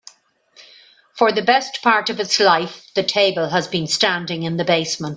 For the best part of its life, the table has been standing in the basement.